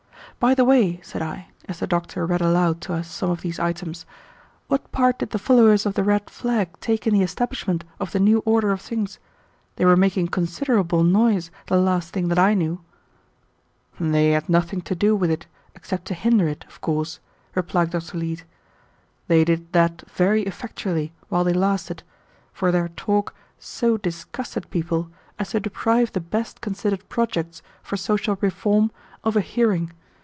"By the way," said I, as the doctor read aloud to us some of these items, "what part did the followers of the red flag take in the establishment of the new order of things? They were making considerable noise the last thing that I knew." "They had nothing to do with it except to hinder it, of course," replied Dr. Leete. "They did that very effectually while they lasted, for their talk so disgusted people as to deprive the best considered projects for social reform of a hearing.